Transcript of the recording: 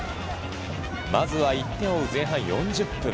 まずは１点を追う前半４０分。